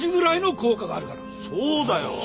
そうだよ！